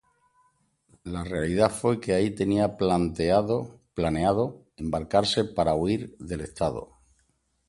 La realidad fue que ahí tenía planeado embarcarse para huir del estado.